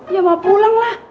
ya mau pulang lah